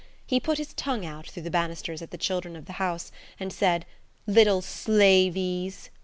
He put his tongue out through the banisters at the children of the house and said, "Little slaveys."